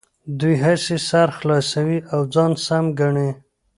دوی هسې سر خلاصوي او ځان سم ګڼي.